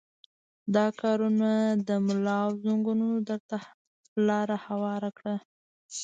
دا کارونه د ملا او زنګنونو درد ته لاره هواره کړه.